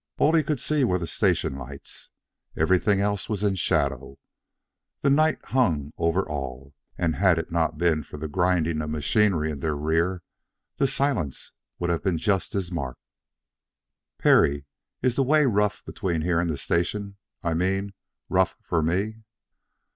All he could see were the station lights. Everything else was in shadow. The night hung over all, and had it not been for the grinding of machinery in their rear, the silence would have been just as marked. "Perry, is the way rough between here and the station I mean, rough for me?"